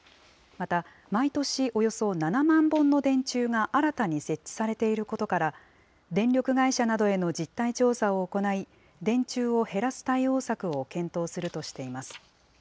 また、毎年およそ７万本の電柱が新たに設置されていることから、電力会社などへの実態調査を行い、電柱を減らす対応策を検討するとしています。